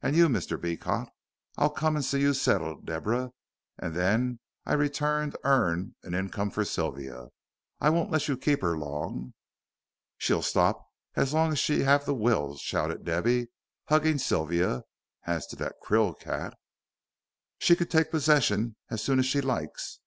And you, Mr. Beecot?" "I'll come and see you settled, Deborah, and then I return to earn an income for Sylvia. I won't let you keep her long." "She'll stop as long as she have the will," shouted Debby, hugging Sylvia; "as to that Krill cat " "She can take possession as soon as she likes.